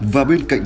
và bên cạnh